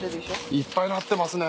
いっぱいなってますね。